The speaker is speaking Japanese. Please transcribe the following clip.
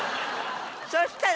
そしたら。